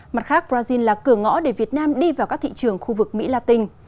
mặt khác brazil là cửa ngõ để việt nam đi vào các thị trường khu vực mỹ la tinh